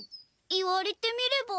言われてみれば。